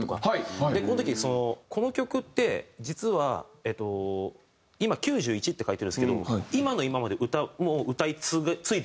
この時そのこの曲って実は今「９１」って書いてあるんですけど今の今まで歌を歌い継いでるんですよ。